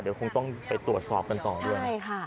เดี๋ยวคงต้องไปตรวจสอบกันต่อด้วย